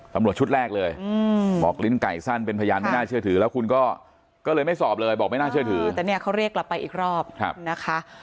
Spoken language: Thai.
ตำรวจชุดแรกเลยบอกลิ้นไก่สั้นเป็นพยานไม่น่าเชื่อถือแล้วคุณก็เลยไม่สอบเลยบอกไม่น่าเชื่อถือแต่เนี่ยเขาเรียกกลับไปอีกรอบนะคะ